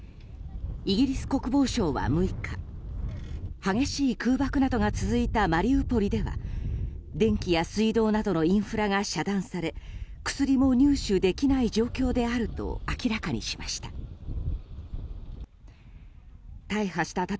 イギリス国防省は６日激しい空爆などが続いたマリウポリでは電気や水道などのインフラが遮断され薬も入手できない状況であると明らかにしました。